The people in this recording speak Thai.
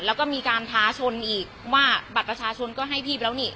แล้วก็มีการท้าชนอีกว่าบัตรประชาชนก็ให้พี่ไปแล้วนี่